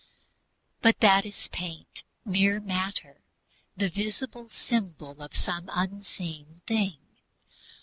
But that is paint, mere matter, the visible symbol of some unseen thing.